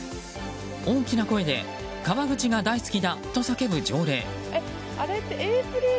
大きな声で川口が大好きだ！と叫ぶ条例。